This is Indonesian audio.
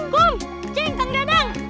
kum cing kang dadang